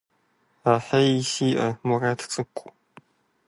Ахьей сиӀэ, Мурат цӀыкӀу.